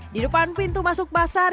di depan pintu masuk pasar